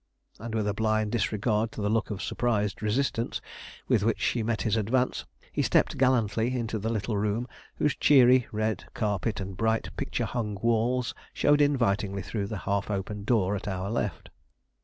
And with a blind disregard to the look of surprised resistance with which she met his advance, he stepped gallantly into the little room whose cheery red carpet and bright picture hung walls showed invitingly through the half open door at our left.